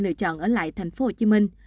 lựa chọn ở lại tp hcm